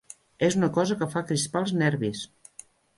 És una cosa que fa crispar els nervis.